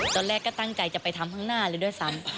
ตอนแรกก็ตั้งใจจะไปทำข้างหน้าเลยด้วยซ้ำ